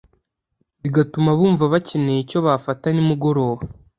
bigatuma bumva bakeneye icyo bafata nimugoroba